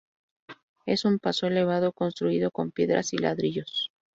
Es un paso elevado construido con piedras y ladrillos.